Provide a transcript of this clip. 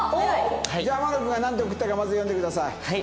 じゃあ天野君がなんて送ったかまず読んでください。